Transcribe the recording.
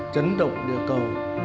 chấn động địa cầu